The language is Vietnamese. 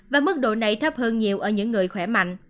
và mức độ này thấp hơn nhiều ở những người khỏe mạnh